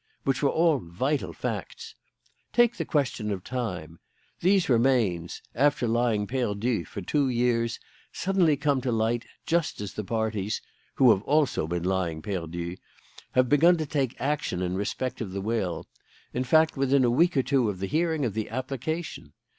Which were all vital facts. Take the question of time. These remains, after lying perdu for two years, suddenly come to light just as the parties who have also been lying perdu have begun to take action in respect of the will; in fact, within a week or two of the hearing of the application.